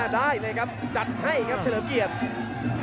ได้เลยครับจัดให้ครับเฉลิมเกียรติ